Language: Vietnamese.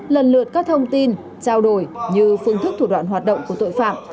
lần lượt các thông tin trao đổi như phương thức thủ đoạn hoạt động của tội phạm